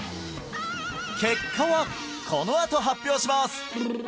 結果はこのあと発表します！